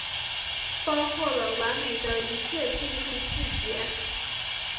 包含了完美的一切技术细节